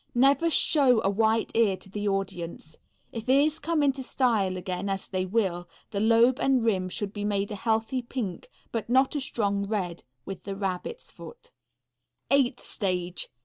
Never show a white ear to the audience. If ears come into style again, as they will, the lobe and rim should be made a healthy pink, but not a strong red, with the rabbit's foot. _Eighth stage.